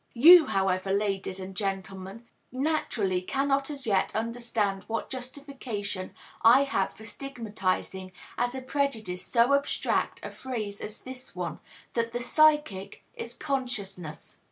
You, however, ladies and gentlemen, naturally cannot as yet understand what justification I have for stigmatizing as a prejudice so abstract a phrase as this one, that "the psychic is consciousness."